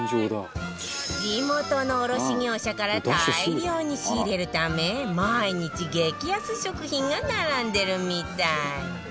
地元の卸業者から大量に仕入れるため毎日激安食品が並んでるみたい